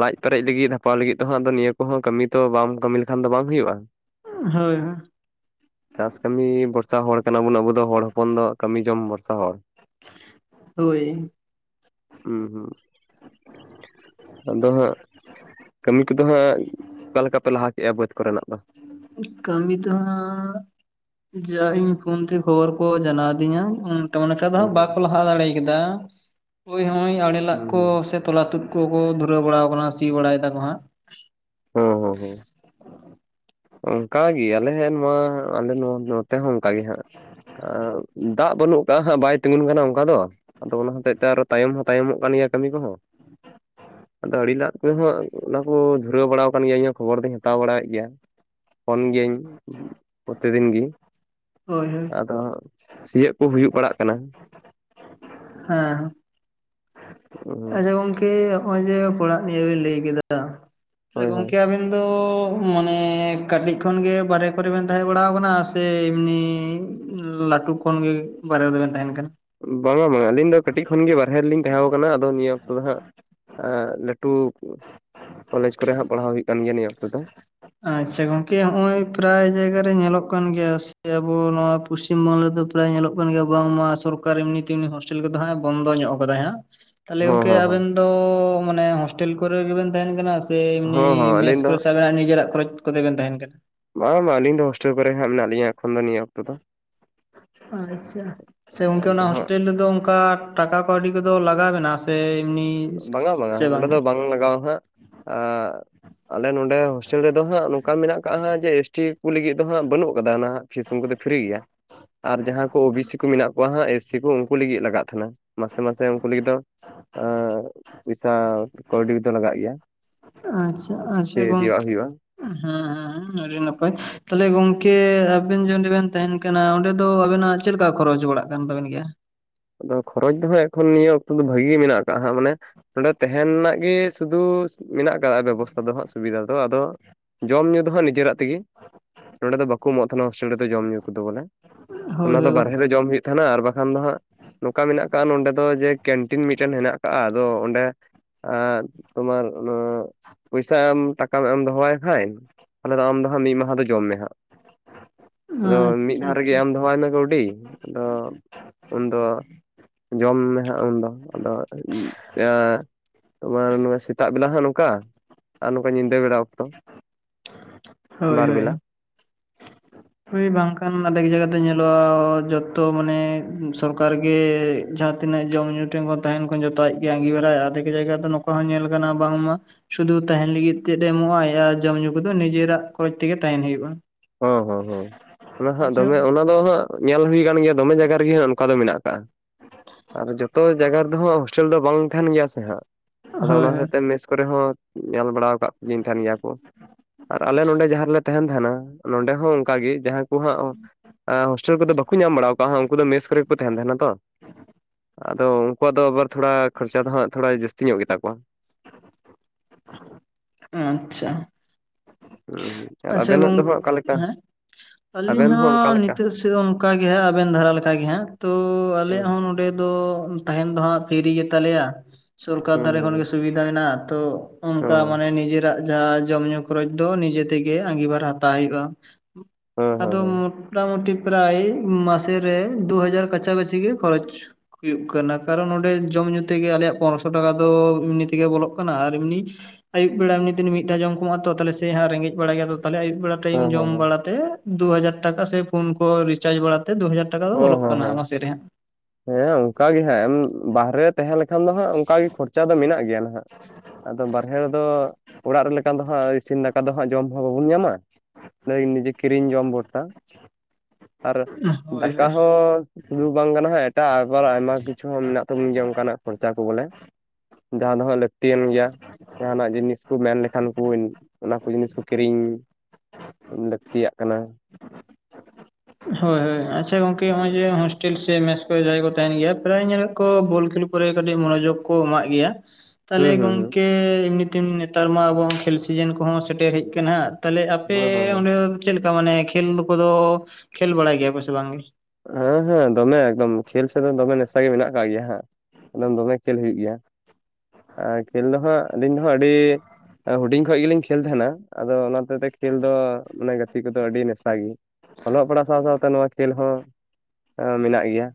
ᱞᱟᱡ ᱯᱮᱨᱮᱡ ᱞᱤᱜᱤᱫ ᱵᱷᱟᱛᱟᱣ ᱞᱟᱹᱜᱤᱫ ᱛᱮᱦᱚᱸ ᱱᱤᱭᱟᱹ ᱠᱚᱦᱚᱸ ᱠᱟᱹᱢᱤ ᱛᱚ ᱵᱟᱢ ᱠᱟᱹᱢᱤ ᱞᱮᱠᱷᱟᱱ ᱫᱚ ᱵᱟᱝ ᱦᱩᱭᱩᱜᱼᱟ ᱦᱳᱭ ᱦᱳᱭ [inaudible] ᱪᱟᱥ ᱠᱟᱹᱢᱤ ᱵᱷᱚᱨᱥᱟ ᱦᱚᱲ ᱠᱟᱱᱟ ᱵᱚᱱ ᱟᱹᱵᱚ ᱫᱚ ᱦᱚᱲ ᱦᱚᱯᱚᱱ ᱫᱚ ᱠᱟᱹᱢᱤ ᱡᱚᱢ ᱵᱷᱚᱨᱥᱟ ᱦᱚᱲ ᱦᱳᱭ ᱦᱩᱸ ᱦᱩᱸ ᱟᱫᱚ ᱦᱟᱸᱜ ᱠᱟᱹᱢᱤ ᱠᱚᱫᱚ ᱦᱟᱸᱜᱼᱼ ᱪᱮᱫᱠᱟ ᱯᱮ ᱞᱟᱦᱟ ᱠᱮᱜᱼᱟ ᱵᱟᱹᱫᱽ ᱠᱚᱨᱮᱱᱟᱜ ᱫᱚ? ᱠᱟᱹᱢᱤ ᱛᱚ ᱦᱟᱸᱜᱼᱼ ᱡᱟ ᱤᱧ ᱯᱷᱳᱱ ᱛᱮ ᱠᱷᱚᱵᱚᱨ ᱠᱚ ᱡᱟᱱᱟᱣ ᱟᱫᱤᱧᱟ ᱚᱱᱠᱟ ᱫᱚ ᱦᱩᱸ ᱦᱟᱸᱜ ᱵᱟᱠᱚ ᱞᱟᱦᱟ ᱫᱟᱲᱮ ᱠᱟᱫᱟ ᱳᱭ ᱦᱚᱸᱭ ᱟᱲᱮ ᱞᱟᱜ ᱦᱩᱸ ᱠᱚ ᱦᱩᱸ ᱥᱮ ᱛᱚᱞᱟ ᱛᱩᱫ ᱠᱚᱠᱚ ᱫᱷᱩᱨᱟᱹᱣ ᱵᱟᱲᱟᱣ ᱠᱟᱱᱟ ᱥᱤ ᱵᱟᱲᱟᱭ ᱫᱟᱠᱚ ᱦᱟᱸᱜ ᱦᱩᱸ ᱦᱩᱸ ᱦᱩᱸ ᱚᱱᱠᱟ ᱜᱮ ᱟᱞᱮ ᱱᱚᱶᱟ ᱟᱞᱮ ᱱᱚᱶᱟ ᱱᱚᱛᱮ ᱦᱚᱸ ᱚᱱᱠᱟ ᱜᱮ ᱦᱟᱸᱜ ᱟᱸᱜ ᱫᱟᱜ ᱵᱟᱹᱱᱩᱜ ᱠᱟᱜᱼᱟ ᱦᱟᱸᱜ ᱵᱟᱭ ᱛᱤᱸᱜᱩᱱ ᱠᱟᱱᱟ ᱚᱱᱠᱟ ᱫᱚ ᱟᱫᱚ ᱚᱱᱟ ᱦᱚᱛᱮᱡ ᱛᱮ ᱟᱨᱚ ᱛᱟᱭᱚᱢ ᱦᱚᱸ ᱛᱟᱭᱚᱢᱚᱜ ᱠᱟᱱ ᱜᱮᱭᱟ ᱠᱟᱹᱢᱤ ᱠᱚᱦᱚᱸ ᱟᱹᱰᱤ ᱞᱟᱜ ᱠᱚᱦᱚᱸ ᱚᱱᱟ ᱠᱩᱫ ᱫᱷᱩᱨᱟᱹᱣ ᱵᱟᱲᱟᱣ ᱠᱟᱱ ᱜᱮᱭᱟᱹᱧ ᱤᱧ ᱦᱚᱸ ᱠᱷᱚᱵᱚᱨ ᱫᱚᱧ ᱦᱟᱛᱟᱣ ᱵᱟᱲᱟᱭᱮᱫ ᱜᱮᱭᱟ, ᱯᱷᱳᱱ ᱜᱮᱭᱟᱹᱧ ᱯᱚᱨᱮᱛᱮ ᱫᱤᱱ ᱜᱮ ᱦᱳᱭ ᱦᱳᱭ ᱟᱫᱚ, ᱥᱤᱭᱟᱹᱜ ᱠᱩ ᱦᱩᱭᱩᱜ ᱵᱟᱲᱟᱜ ᱠᱟᱱᱟ ᱦᱮᱸ ᱟᱪᱷᱟ ᱜᱚᱝᱼᱼ [unintelligible] ᱠᱮ ᱦᱚᱸᱜᱼ ᱚᱭ ᱡᱮ ᱯᱚᱲᱟᱜ ᱱᱤᱭᱟᱹ ᱵᱮᱱ ᱞᱟᱹᱭ ᱠᱮᱫᱟ, ᱛᱟᱦᱞᱮ ᱦᱳᱭ ᱦᱳᱭ ᱜᱚᱝᱠᱮ ᱟᱵᱮᱱ ᱫᱚ ᱦᱚ ᱢᱟᱱᱮ ᱠᱟᱹᱴᱤᱡ ᱠᱷᱚᱱ ᱜᱮ ᱵᱟᱨᱦᱮ ᱠᱚᱨᱮ ᱵᱮᱱ ᱛᱟᱦᱮᱸ ᱵᱟᱲᱟᱣ ᱠᱟᱱᱟ ᱥᱮ ᱮᱢᱱᱤ ᱩᱸ ᱞᱟᱹᱴᱩ ᱠᱷᱚᱱᱜᱮ ᱵᱟᱨᱦᱮ ᱨᱮᱫᱚ ᱵᱮᱱ ᱛᱟᱦᱮᱱ ᱠᱟᱱᱟ ᱵᱟᱝᱟ ᱵᱟᱝᱟ ᱟᱹᱞᱤᱧ ᱫᱚ ᱠᱟᱹᱴᱤᱡ ᱠᱷᱚᱱ ᱜᱮ ᱵᱟᱨᱦᱮ ᱨᱮᱞᱤᱧ ᱛᱟᱦᱮᱸ ᱟᱠᱟᱱᱟ ᱟᱫᱚ ᱱᱤᱭᱟᱹ ᱚᱠᱛᱚ ᱫᱚ ᱦᱟᱸᱜ ᱟ ᱞᱟᱹᱴᱩ ᱠᱚᱞᱮᱡᱽ ᱠᱚᱨᱮ ᱦᱚᱸ ᱯᱟᱲᱦᱟᱣ ᱦᱩᱭᱩᱜ ᱠᱟᱱ ᱜᱮᱭᱟ ᱱᱤᱭᱟᱹ ᱚᱠᱛᱚ ᱫᱚ᱾ ᱟᱪᱷᱟ ᱜᱚᱝᱠᱮ ᱦᱚᱸᱜᱼ ᱚᱭ ᱯᱨᱟᱭ ᱡᱟᱭᱜᱟ ᱨᱮ ᱧᱮᱞᱚᱜ ᱠᱟᱱ ᱜᱮᱭᱟ ᱥᱮ ᱟᱹᱵᱩ ᱱᱚᱶᱟ ᱯᱚᱪᱷᱤᱢ ᱵᱟᱝᱞᱟ ᱨᱮᱫᱚ ᱯᱨᱟᱭ ᱧᱮᱞᱚᱜ ᱠᱟᱱ ᱜᱮᱭᱟ ᱵᱟᱝᱢᱟ ᱥᱚᱨᱠᱟᱨ ᱮᱢᱱᱤ ᱛᱮᱢᱱᱤ ᱦᱳᱥᱴᱮᱞ ᱠᱚᱫᱚ ᱦᱟᱸᱜ ᱮ ᱵᱚᱱᱫᱚ ᱧᱚᱜ ᱟᱠᱟᱫᱟᱭ ᱦᱟᱸᱜ᱾ ᱛᱟᱦᱚᱞᱮ ᱦᱚᱸ ᱜᱚᱝᱠᱮ ᱦᱚᱸ ᱦᱚᱸ ᱟᱵᱮᱱ ᱫᱚ ᱢᱟᱱᱮ ᱦᱳᱥᱴᱮᱞ ᱠᱚᱨᱮ ᱜᱮᱵᱮᱱ ᱛᱟᱦᱮᱱ ᱠᱟᱱᱟ ᱥᱮ ᱮᱢᱱᱤ ᱦᱚᱸ ᱦᱚᱸ ᱟᱹᱞᱤᱧ ᱢᱮᱥᱼᱼ ᱫᱚ ᱟᱹᱵᱤᱱᱟᱜ ᱱᱤᱡᱮᱨᱟᱜ ᱠᱷᱚᱨᱚᱪ ᱠᱚᱛᱮ ᱵᱮᱱ ᱛᱟᱦᱮᱱ ᱠᱟᱱᱟ? ᱵᱟᱝ ᱵᱟᱝ ᱟᱹᱞᱤᱧ ᱫᱚ ᱦᱳᱥᱴᱮᱞ ᱠᱚᱨᱮ ᱦᱟᱸᱜ ᱢᱮᱱᱟᱜ ᱞᱤᱧᱟ ᱮᱠᱷᱚᱱ ᱫᱚ ᱱᱤᱭᱟᱹ ᱚᱠᱛᱚ ᱫᱚ᱾ ᱟᱪᱷᱟ, ᱥᱮ ᱜᱚᱝᱠᱮ ᱚᱱᱟ ᱟᱫᱚ ᱦᱟᱸᱜ ᱦᱳᱥᱴᱮᱞ ᱨᱮᱫᱚ ᱚᱝᱠᱟ ᱴᱟᱠᱟ ᱠᱟᱹᱣᱰᱤ ᱠᱚᱫᱚ ᱞᱟᱜᱟᱣᱮᱱᱟ ᱥᱮ ᱮᱢᱱᱤ ᱵᱟᱝᱟ ᱵᱟᱝᱟ, ᱥᱮ ᱱᱚᱸᱰᱮ ᱫᱚ ᱵᱟᱝᱜᱮ ᱵᱟᱝ ᱞᱟᱜᱟᱣ ᱟ ᱦᱟᱸᱜ᱾ ᱟᱻ ᱟᱞᱮ ᱱᱚᱰᱮ ᱦᱳᱥᱴᱮᱞ ᱨᱮᱫᱚ ᱦᱟᱸᱜ ᱱᱚᱝᱠᱟ ᱢᱮᱱᱟᱜ ᱠᱟᱜᱼᱟ ᱦᱟᱸᱜ ᱡᱮ ᱮᱥ. ᱴᱤ. ᱠᱚ ᱞᱟᱹᱜᱤᱫ ᱫᱚ ᱦᱟᱸᱜ ᱵᱟᱹᱱᱩᱜ ᱠᱟᱫᱟ ᱱᱷᱟᱜ? ᱯᱷᱤᱥ ᱩᱝᱠᱩ ᱫᱚ ᱯᱷᱤᱨᱤ ᱜᱮᱭᱟ ᱟᱨ ᱡᱟᱦᱟᱸ ᱠᱩ ᱳ. ᱵᱤ. ᱥᱤ. ᱠᱚ ᱢᱮᱱᱟᱜ ᱠᱩᱣᱟ ᱦᱟᱸᱜ ᱮᱥ ᱯᱷᱤ ᱠᱩ ᱩᱱᱠᱩ ᱞᱟᱹᱜᱤᱫ ᱞᱟᱜᱟᱜ ᱛᱟᱦᱮᱱᱟ᱾ ᱢᱟᱥᱮ ᱢᱟᱥᱮ ᱩᱝᱠᱩ ᱞᱟᱹᱜᱤᱫ ᱫᱚ ᱟᱻ ᱯᱚᱭᱥᱟ ᱠᱟᱹᱣᱰᱤ ᱫᱚ ᱞᱟᱜᱟᱜ ᱜᱮᱭᱟ, ᱥᱮ ᱤᱫᱤᱣᱟᱜ ᱦᱩᱭᱩᱜᱼᱟ ᱾ ᱦᱩᱸ ᱦᱩᱸ ᱦᱩᱸ ᱟᱹᱰᱤ ᱱᱟᱯᱟᱭ ᱛᱟᱦᱞᱮ ᱜᱚᱝᱠᱮ ᱟᱹᱵᱤᱱ ᱡᱮ ᱚᱸᱰᱮ ᱵᱮᱱ ᱛᱟᱦᱮᱱ ᱠᱟᱱᱟ ᱚᱸᱰᱮ ᱫᱚ ᱟᱵᱮᱱᱟᱜ ᱪᱮᱫ ᱞᱮᱠᱟ ᱠᱷᱚᱨᱚᱪ ᱵᱟᱲᱟᱜ ᱠᱟᱱ ᱛᱟᱵᱮᱱ ᱜᱮᱭᱟ? ᱟᱫᱚ ᱠᱷᱚᱨᱚᱪ ᱫᱚ ᱦᱟᱸᱜ ᱮᱠᱷᱚᱱ ᱱᱤᱭᱟᱹ ᱚᱠᱛᱚ ᱫᱚ ᱵᱷᱟᱹᱜᱤ ᱜᱮ ᱢᱮᱱᱟᱜ ᱠᱟᱜᱼᱟ ᱦᱟᱸᱜ ᱢᱟᱱᱮ᱾ ᱱᱚᱸᱰᱮ ᱛᱮᱦᱮᱱ ᱨᱮᱱᱟᱜ ᱜᱮ ᱥᱩᱫᱩ ᱢᱮᱱᱟᱜ ᱟᱠᱟᱫᱼᱟ ᱵᱮᱵᱚᱥᱛᱷᱟ ᱫᱚ ᱦᱟᱸᱜ ᱥᱩᱵᱤᱫᱷᱟ ᱫᱚ ᱟᱫᱚ ᱡᱚᱢ ᱧᱩ ᱫᱚ ᱦᱟᱸᱜ ᱱᱤᱡᱟᱹᱨᱟᱜ ᱛᱮᱜᱮ, ᱱᱚᱸᱰᱮ ᱫᱚ ᱵᱟᱹᱠᱩ ᱮᱢᱚᱜ ᱛᱟᱦᱮᱱᱟ ᱦᱳᱥᱴᱮᱞ ᱨᱮᱫᱚ ᱡᱚᱢ ᱧᱩ ᱠᱚᱫᱚ ᱵᱚᱞᱮ᱾ ᱦᱳᱭ ᱚᱱᱟ ᱫᱚ ᱦᱳᱭ ᱵᱟᱯ ᱵᱟᱨᱦᱮ ᱨᱮ ᱡᱚᱢ ᱦᱩᱭᱩᱜ ᱛᱟᱦᱮᱱᱟ ᱟᱨ ᱵᱟᱠᱷᱟᱱ ᱫᱚ ᱦᱟᱸᱜ ᱱᱚᱝᱠᱟ ᱢᱮᱱᱟᱜ ᱠᱟᱜᱼᱟ ᱱᱚᱰᱮ ᱫᱚ ᱡᱮ ᱠᱮᱱᱴᱤᱱ ᱢᱤᱫᱴᱮᱱ ᱦᱮᱱᱟᱜ ᱠᱟᱜᱼᱟ ᱟᱫᱚ ᱚᱸᱰᱮ ᱟᱨ ᱛᱳᱢᱟᱨ ᱚᱱᱚ, ᱯᱚᱭᱥᱟᱢ ᱴᱟᱠᱟᱢ ᱮᱢ ᱫᱚᱦᱚᱣᱟᱭ ᱠᱷᱟᱡ᱾ ᱛᱟᱦᱞᱮ ᱟᱢ ᱫᱚ ᱦᱟᱸᱜ ᱢᱤᱜ ᱢᱟᱦᱟ ᱫᱚ ᱡᱚᱢ ᱢᱮ ᱦᱟᱸᱜ᱾ ᱟᱫᱚ ᱢᱤᱫ ᱟᱪᱪᱷᱟ ᱫᱷᱟᱣ ᱨᱮᱜᱮ ᱟᱪᱪᱷᱟ ᱮᱢ ᱫᱚᱦᱚᱣᱟᱭ ᱢᱮ ᱠᱟᱹᱣᱰᱤ᱾ ᱟᱫᱚ ᱩᱱᱫᱚ᱾ ᱡᱚᱢ ᱢᱮ ᱦᱟᱸᱜ ᱩᱱᱫᱚ᱾ ᱟᱫᱚ [unintelligible] ᱛᱚᱢᱟᱨ ᱱᱚᱣᱟ ᱥᱮᱛᱟᱜ ᱵᱮᱞᱟ ᱦᱟᱸᱜ ᱱᱚᱝᱠᱟ ᱟᱨ ᱱᱚᱝᱠᱟ ᱧᱤᱫᱟᱹ ᱵᱮᱲᱟ ᱚᱠᱛᱚ᱾ ᱦᱳᱭ ᱵᱟᱨ ᱦᱳᱭ᱾ [inaudible] ᱦᱳᱭ ᱵᱟᱝᱠᱷᱟᱱ ᱟᱫᱷᱮᱠ ᱡᱟᱜᱟ ᱫᱚ ᱧᱮᱞᱚᱜᱼᱟ ᱡᱚᱛᱚ ᱢᱟᱱᱮ ᱥᱚᱨᱠᱟᱨ ᱜᱮ ᱡᱟᱦᱟᱸ ᱛᱤᱱᱟᱹᱜ ᱡᱚᱢ ᱧᱩ ᱴᱷᱮᱱ ᱛᱟᱦᱮᱱ ᱠᱷᱚᱱ ᱡᱚᱛᱚ ᱟᱡ ᱜᱮ ᱟᱸᱜᱤᱵᱷᱟᱨᱟᱭ ᱟᱫᱷᱮᱠ ᱡᱟᱭᱜᱟ ᱫᱚ ᱱᱚᱝᱠᱟ ᱦᱚᱸ ᱧᱮᱞ ᱟᱠᱟᱱᱟ ᱵᱟᱝᱢᱟ ᱥᱩᱫᱩ ᱛᱟᱦᱮᱱ ᱞᱟᱹᱜᱤᱫ ᱛᱮᱫ ᱮ ᱮᱢᱚᱜᱼᱟ ᱟᱨ ᱡᱚᱢ ᱧᱩ ᱠᱚᱫᱚ ᱱᱤᱡᱮᱨᱟᱜ ᱠᱷᱚᱨᱚᱪ ᱛᱮᱜᱮ ᱛᱟᱦᱮᱱ ᱦᱩᱭᱩᱜᱼᱟ᱾ ᱦᱚ ᱦᱚ ᱦᱚ ᱚᱱᱟ ᱦᱟᱸᱜ ᱟᱪᱪᱷᱟ ᱫᱚᱢᱮ ᱚᱱᱟ ᱫᱚ ᱦᱟᱸᱜ ᱧᱮᱞ ᱦᱳᱭᱠᱟᱱ ᱜᱮᱭᱟ ᱫᱚᱢᱮ ᱡᱟᱭᱜᱟ ᱨᱮᱜᱮ ᱦᱟᱸᱜ ᱚᱱᱠᱟ ᱫᱚ ᱢᱮᱱᱟᱜ ᱟᱠᱟᱜ-ᱟ᱾ ᱟᱨ ᱡᱚᱛᱚ ᱡᱟᱜᱟ ᱨᱮᱫᱚ ᱦᱟᱸᱜ ᱦᱳᱥᱴᱮᱞ ᱫᱚ ᱵᱟᱝ ᱮᱱ ᱜᱮᱭᱟ ᱥᱮ ᱦᱟᱸᱜ ᱟᱫᱚ ᱦᱳᱭ ᱚᱱᱟ ᱦᱳᱭ ᱦᱚᱛᱮ ᱢᱮᱥ ᱠᱚᱨᱮ ᱦᱚᱸ ᱧᱮᱞ ᱵᱟᱲᱟ ᱫᱤᱧ ᱛᱟᱦᱮᱱ ᱜᱮᱭᱟ ᱠᱚ ᱟᱨ ᱟᱞᱮ ᱱᱚᱰᱮ ᱡᱟᱦᱟᱸ ᱨᱮᱞᱮ ᱛᱟᱦᱮᱱ ᱛᱟᱦᱮᱱᱟ ᱱᱚᱰᱮ ᱦᱚᱸ ᱚᱱᱠᱟᱜ ᱜᱮ ᱡᱟᱦᱟᱸ ᱩᱱᱠᱩ ᱦᱟᱸᱜ ᱟᱸ ᱦᱳᱥᱴᱮᱞ ᱠᱚᱫᱚ ᱵᱟᱠᱚ ᱧᱟᱢ ᱵᱟᱲᱟ ᱣᱟᱠᱟᱜᱼᱟ ᱩᱱᱠᱩ ᱫᱚ ᱢᱮᱥ ᱠᱚᱨᱮ ᱠᱚ ᱛᱟᱦᱮᱱ ᱛᱟᱦᱮᱱᱟ ᱛᱚ᱾ [unintelligible] ᱟᱫᱚ ᱩᱱᱠᱩᱣᱟᱜ ᱫᱚ ᱟᱵᱟᱨ ᱛᱷᱚᱲᱟ ᱠᱷᱚᱨᱪᱟ ᱫᱚ ᱦᱟᱸᱜ ᱛᱷᱚᱲᱟ ᱡᱟᱹᱥᱛᱤ ᱧᱚᱜ ᱜᱮ ᱛᱟᱠᱚᱣᱟ᱾ ᱟᱪᱪᱷᱟ, ᱦᱩᱸ ᱟᱨ ᱟᱪᱷᱟ ᱟᱵᱮᱱᱟᱜ ᱫᱚ ᱜᱚᱝ ᱦᱟᱸᱜ ᱚᱠᱟ ᱞᱮᱠᱟ ᱩᱸ ᱟᱹᱞᱤᱧ ᱟᱵᱮᱱ ᱚᱠᱟ ᱦᱚᱸ ᱞᱮᱠᱟ ᱱᱤᱛᱚᱜ ᱥᱮᱭᱚ ᱚᱱᱠᱟ ᱜᱮ ᱦᱟᱸᱜ ᱟᱵᱮᱱ ᱫᱷᱟᱨᱟ ᱞᱮᱠᱟᱜ ᱜᱮ ᱦᱟᱸᱜ᱾ ᱛᱚ ᱟᱞᱮ ᱦᱩᱸ ᱦᱚᱸ ᱱᱚ [unintelligible] ᱫᱚ ᱛᱟᱦᱮᱱ ᱫᱚ ᱦᱟᱸᱜ ᱯᱷᱤᱨᱤ ᱜᱮ ᱛᱟᱞᱮᱭᱟ᱾ ᱥᱚᱨᱠᱟᱨ ᱫᱷᱟᱨᱮ ᱠᱷᱚᱱ ᱦᱩᱸ ᱜᱮ ᱥᱩᱵᱤᱫᱟ ᱦᱮᱱᱟᱜᱼᱟ ᱛᱚ ᱚᱱᱠᱟ ᱦᱮᱸ ᱢᱟᱱᱮ ᱱᱤᱡᱮᱨᱟᱜ ᱡᱟᱦᱟᱸ ᱡᱚᱢ ᱧᱩ ᱠᱚᱨᱮᱚᱪ ᱫᱚ ᱱᱤᱡᱮ ᱛᱮᱜᱮ ᱟᱸᱜᱤᱵᱟᱨ ᱦᱟᱛᱟᱣ ᱦᱩᱭᱩᱜᱼᱟ, ᱦᱮᱸ ᱦᱮᱸ ᱟᱫᱚ ᱢᱚ ᱦᱮᱸ ᱢᱳᱴᱟᱢᱳᱴᱤ ᱯᱨᱟᱭ ᱢᱟᱥᱮ ᱨᱮ ᱫᱩᱦᱟᱡᱟᱨ ᱠᱟᱪᱷᱟ - ᱠᱟᱹᱪᱷᱤ ᱜᱮ ᱠᱷᱚᱨᱚᱪ᱾ ᱦᱩᱭᱩᱜ ᱠᱟᱱᱟ᱾ ᱠᱟᱨᱚᱱ ᱚᱸᱰᱮ ᱡᱚᱢ ᱧᱩ ᱛᱮᱜᱮ ᱟᱞᱮᱭᱟᱜ ᱯᱚᱱᱮᱨᱚᱥᱚ ᱴᱟᱠᱟ ᱫᱚ ᱮᱢᱱᱤ ᱛᱮᱜᱮ ᱵᱚᱞᱚᱜ ᱠᱟᱱᱟ ᱟᱨ ᱮᱢᱱᱤ ᱟᱹᱭᱩᱵ ᱵᱮᱲᱟ ᱮᱢᱱᱤ ᱫᱤᱱ ᱢᱤᱫ ᱫᱷᱟᱣ ᱡᱚᱢ ᱠᱚ ᱢᱟ ᱛᱚ ᱛᱟᱞᱮ ᱥᱮ ᱦᱟᱸᱜ ᱨᱮᱸᱜᱮᱡ ᱵᱟᱲᱟᱭ ᱜᱮᱭᱟ ᱛᱟᱦᱞᱮ ᱟᱹᱭᱩᱵ ᱵᱮᱲᱟ ᱴᱟᱭᱤᱢ ᱦᱮᱸ ᱦᱮᱸ ᱦᱮᱸ ᱡᱚᱢ ᱵᱟᱲᱟ ᱛᱮᱻ ᱫᱩᱦᱟᱡᱟᱨ ᱴᱟᱠᱟ ᱥᱮ ᱯᱷᱳᱱ ᱠᱚ ᱨᱤᱪᱟᱨᱡᱽ ᱵᱟᱲᱟᱛᱮ ᱫᱩᱦᱟᱡᱟ ᱦᱩᱸ ᱦᱩᱸ ᱦᱩᱸ᱾ ᱦᱮᱸ ᱚᱱᱠᱟ ᱜᱮ ᱦᱟᱸᱜ ᱮᱢ ᱵᱟᱦᱨᱮ ᱛᱟᱦᱮᱸ ᱞᱮᱠᱷᱟᱱ ᱫᱚ ᱦᱟᱸᱜ ᱚᱱᱠᱟᱜ ᱜᱮ ᱠᱷᱚᱨᱪᱟ ᱫᱚ ᱢᱮᱱᱟᱜ ᱜᱮᱭᱟ᱾ ᱟᱫᱚ ᱵᱟᱨᱦᱮ ᱨᱮᱫᱚ ᱚᱲᱟᱜ ᱨᱮ ᱞᱮᱠᱟ ᱫᱚ ᱦᱟᱸᱜ ᱤᱥᱤᱱ ᱫᱟᱠᱟ ᱫᱚ ᱦᱟᱸᱜ ᱡᱚᱢ ᱦᱚᱸ ᱵᱟᱵᱚᱱ ᱧᱟᱢᱟ᱾ ᱥᱟᱹᱭ ᱱᱤᱡᱮ ᱠᱤᱨᱤᱧ ᱡᱚᱢ ᱵᱚᱨᱥᱟ᱾ ᱦᱳᱭ ᱦᱳᱭ᱾ ᱥᱩᱫᱩ ᱵᱟᱝ ᱠᱟᱱᱟ ᱮᱴᱟᱜ ᱟᱵᱟᱨ ᱟᱭᱢᱟ ᱠᱤᱪᱷᱩ ᱦᱚᱸ ᱢᱮᱱᱟᱜ ᱛᱟᱵᱚᱱ ᱜᱮᱭᱟ ᱚᱱᱠᱟᱱᱟᱜ ᱠᱷᱚᱨᱪᱟ ᱠᱚ ᱵᱚᱞᱮ ᱡᱟᱦᱟᱸ ᱫᱚᱦᱟᱸᱜ ᱞᱟᱹᱠᱛᱤᱭᱟᱱ ᱜᱮᱭᱟ᱾ ᱡᱟᱦᱱᱟᱜ ᱡᱤᱱᱤᱥ ᱠᱚ ᱢᱮᱱ ᱞᱮᱠᱷᱟᱱ ᱠᱚ ᱚᱱᱟᱠᱩ ᱡᱤᱱᱤᱥ ᱠᱚ ᱠᱤᱨᱤᱧ ᱞᱟᱹᱠᱛᱤᱭᱟᱜ ᱠᱟᱱᱟ ᱦᱳᱭ ᱦᱳᱭ ᱦᱮᱸ ᱟᱪᱷᱟ ᱜᱚᱝᱠᱮ ᱦᱚᱸᱜ ᱚᱭ ᱡᱮ ᱦᱳᱥᱴᱮᱞ ᱥᱮ ᱢᱮᱪ ᱠᱚᱨᱮ ᱡᱟᱦᱟᱸᱭ ᱠᱚ ᱛᱟᱦᱮᱱ ᱜᱮᱭᱟ ᱯᱨᱟᱭ ᱧᱮᱞᱚ ᱠᱚ ᱵᱚᱞ ᱠᱷᱮᱞ ᱠᱚᱨᱮ ᱠᱟᱹᱴᱤᱡ ᱢᱚᱱᱳᱡᱳᱜᱽ ᱠᱚ ᱮᱢᱟᱜ ᱜᱮᱭᱟ ᱛᱟᱦᱞᱮ ᱦᱩᱸ ᱦᱩᱸ ᱦᱩᱸ ᱜᱚᱝᱠᱮ ᱮᱢᱱᱤ ᱛᱮ ᱱᱮᱛᱟᱨ ᱢᱟ ᱟᱵᱚ ᱠᱷᱮᱞ ᱥᱤᱡᱮᱱ ᱠᱚᱦᱚᱸ ᱥᱮᱴᱮᱨ ᱦᱮᱡ ᱟᱠᱟᱱᱟ ᱦᱟᱸᱜ ᱛᱟᱦᱚᱞᱮ ᱟᱯᱮ ᱦᱳᱭ ᱦᱳᱭ ᱦᱳᱭ ᱚᱸᱰᱮ ᱫᱚ ᱪᱮᱫ ᱞᱮᱠᱟ ᱢᱟᱱᱮ ᱠᱷᱮᱞ ᱠᱚᱫᱚ ᱠᱷᱮᱞ ᱵᱟᱲᱟᱭ ᱜᱮᱭᱟ ᱯᱮ ᱥᱮ ᱵᱟᱝᱜᱮ ᱦᱮᱸ ᱦᱮᱸ ᱫᱚᱢᱮ ᱮᱠᱫᱚᱢ ᱠᱷᱮᱞ ᱥᱮᱫ ᱫᱚ ᱫᱚᱢᱮ ᱱᱮᱥᱟ ᱜᱮ ᱢᱮᱱᱟᱜ ᱟᱠᱟᱜ ᱜᱮᱭᱟ ᱦᱟᱸᱜ ᱮᱠᱫᱚᱢ ᱫᱚᱢᱮ ᱠᱷᱮᱞ ᱦᱩᱭᱩᱜ ᱜᱮᱭᱟ, ᱟᱨ ᱠᱷᱮᱞ ᱫᱚᱦᱟᱸᱜ ᱟᱹᱞᱤᱧ ᱫᱚᱦᱟᱸ ᱟᱹᱰᱤ ᱦᱩᱰᱤᱧ ᱠᱷᱚᱡ ᱜᱮᱞᱤᱧ ᱠᱷᱮᱞ ᱛᱟᱦᱮᱱᱟ ᱟᱫᱚ ᱚᱱᱟ ᱦᱚᱛᱮ ᱛᱮ ᱠᱷᱮᱞ ᱫᱚ ᱢᱟᱱᱮ ᱜᱟᱛᱮ ᱠᱚᱫᱚ ᱟᱹᱰᱤ ᱱᱮᱥᱟ ᱜᱮ ᱚᱞᱚᱜ ᱯᱟᱲᱦᱟᱣ ᱥᱟᱶ ᱥᱟᱶᱛᱮ ᱱᱚᱣᱟ ᱠᱷᱮᱞ ᱦᱚᱸ ᱟᱹ ᱢᱮᱱᱟᱜ ᱜᱮᱭᱟ